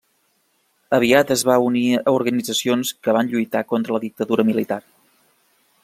Aviat es va unir a organitzacions que van lluitar contra la dictadura militar.